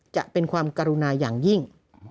จะเป็นความกรุณาอย่างยิ่ง